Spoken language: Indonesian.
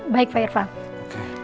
baik pak irfan